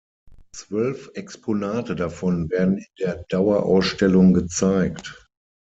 Zwölf Exponate davon werden in der Dauerausstellung gezeigt.